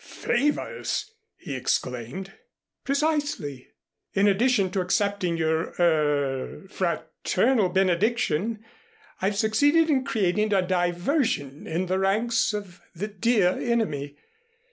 "Favors!" he exclaimed. "Precisely. In addition to accepting your er fraternal benediction, I've succeeded in creating a diversion in the ranks of the dear enemy.